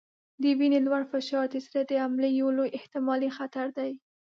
د وینې لوړ فشار د زړه د حملې یو لوی احتمالي خطر دی.